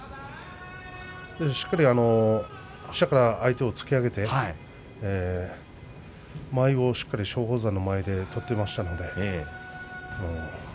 しっかり下から相手を突き上げて間合いを、松鳳山の間合いで取っていますので。